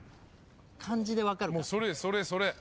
もうそれそれそれ。